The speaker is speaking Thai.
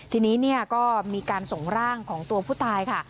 ทีนี้เนี่ยก็มีการส่งร่างของตัวผู้ตายค่ะ